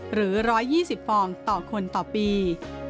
หรือ๑๒๐ฟองต่อคนต่อปี